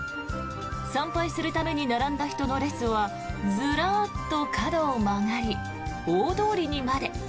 参拝するために並んだ人の列はずらっと角を曲がり大通りにまで。